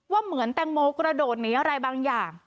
เหมือนแตงโมกระโดดหนีอะไรบางอย่าง